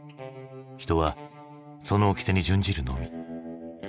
人はそのおきてに準じるのみ。